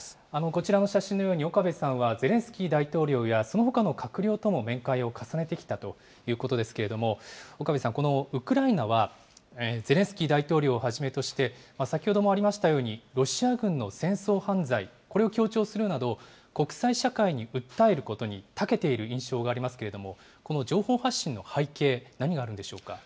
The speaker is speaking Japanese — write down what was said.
こちらの写真のように、岡部さんはゼレンスキー大統領やそのほかの閣僚とも面会を重ねてきたということですけれども、岡部さん、このウクライナはゼレンスキー大統領をはじめとして、先ほどもありましたように、ロシア軍の戦争犯罪、これを強調するなど、国際社会に訴えることにたけている印象がありますけれども、この情報発信の背景、何があるんでしょうか。